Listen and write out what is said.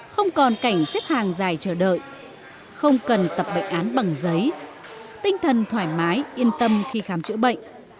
không còn cảnh xếp hàng dài chờ đợi không cần tập bệnh án bằng giấy tinh thần thoải mái yên tâm khi khám chữa bệnh